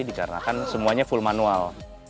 dikarenakan semuanya full manual